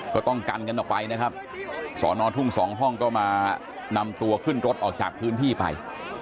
ก็ต้องกันกันออกไปนะครับสอนอทุ่งสองห้องก็มานำตัวขึ้นรถออกจากพื้นที่ไป